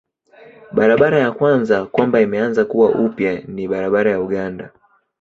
Barabara ya kwanza kwamba imeanza kuwa upya ni barabara ya Uganda.